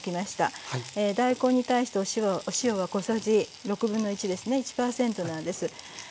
大根に対してお塩は小さじですね１％なんです。